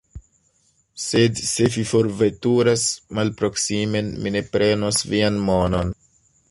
Sed se vi forveturas malproksimen, mi ne prenos vian monon.